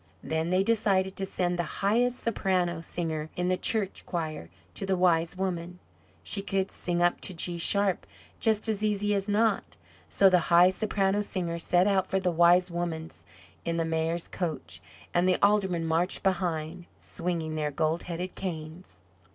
Then they decided to send the highest Soprano Singer in the church choir to the Wise Woman; she could sing up to G sharp just as easy as not. So the high Soprano Singer set out for the Wise Woman's in the Mayor's coach, and the Aldermen marched behind, swinging their gold headed canes.